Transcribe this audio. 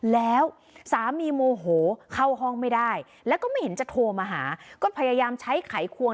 แล้วสามีโมโหเข้าห้องไม่ได้แล้วก็ไม่เห็นจะโทรมาหาก็พยายามใช้ไขควง